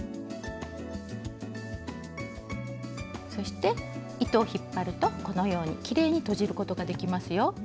そして糸を引っ張るとこのようにきれいにとじることができますよ。